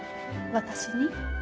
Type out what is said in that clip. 私に？